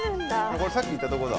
これさっき行ったとこだ。